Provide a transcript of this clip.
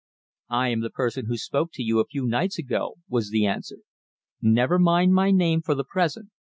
"I am the person who spoke to you a few nights ago," was the answer. "Never mind my name for the present.